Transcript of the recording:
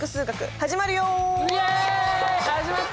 始まった！